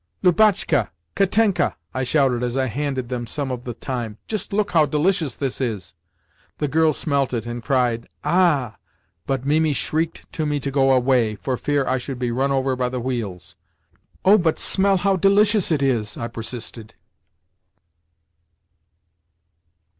"Lubotshka! Katenka!" I shouted as I handed them some of the thyme, "Just look how delicious this is!" The girls smelt it and cried, "A ah!" but Mimi shrieked to me to go away, for fear I should be run over by the wheels. "Oh, but smell how delicious it is!" I persisted.